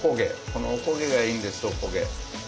このおこげがいいんですおこげ。